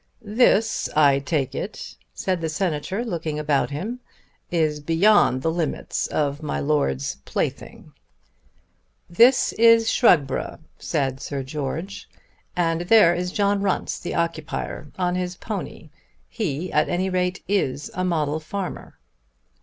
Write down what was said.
"This I take it," said the Senator looking about him, "is beyond the limits of my Lord's plaything." "This is Shugborough," said Sir George, "and there is John Runce, the occupier, on his pony. He at any rate is a model farmer."